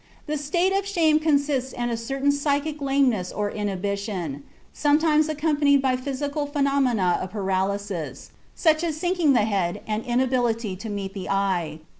"The state of shame consists in a certain psychic lameness or inhibition," sometimes accompanied by physical phenomena of paralysis, such as sinking of the head and inability to meet the eye.